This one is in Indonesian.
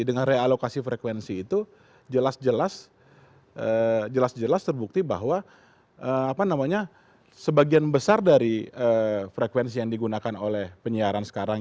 dengan realokasi frekuensi itu jelas jelas terbukti bahwa sebagian besar dari frekuensi yang digunakan oleh penyiaran sekarang